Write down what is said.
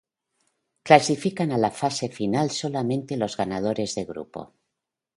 Clasifican a la fase final solamente los ganadores de grupo.